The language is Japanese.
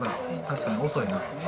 確かに遅いな。